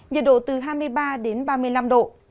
nhiệt độ từ hai mươi ba đến ba mươi năm độ